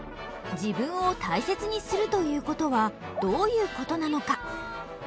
じぶんを大切にするということはどういうことなのか。